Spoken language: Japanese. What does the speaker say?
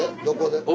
どこで？